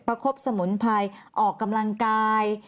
คบสมุนไพรออกกำลังกาย